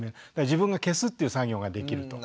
自分が消すっていう作業ができると。